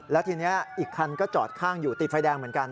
แล้วทีนี้อีกคันก็จอดข้างอยู่ติดไฟแดงเหมือนกัน